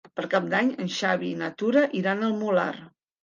Per Cap d'Any en Xavi i na Tura iran al Molar.